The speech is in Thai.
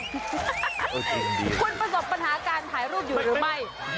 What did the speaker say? คุณประสบปัญหาการถ่ายรูปอยู่หรือไม่